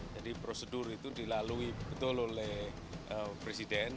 jadi prosedur itu dilalui betul oleh presiden